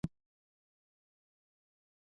ځمکنی شکل د افغانانو د فرهنګي پیژندنې برخه ده.